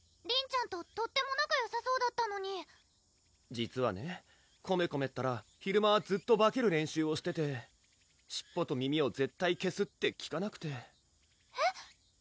ちゃんととっても仲よさそうだったのに実はねコメコメったら昼間ずっと化ける練習をしてて尻尾と耳を絶対消すって聞かなくてえっ？